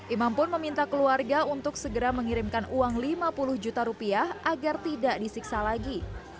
imam pun meminta keluarga untuk segera mengirimkan uang lima puluh juta rupiah agar tidak disiksa lagi